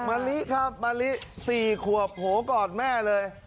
มะลิครับมะลิ๔ขวบโผล่กอดแม่เลย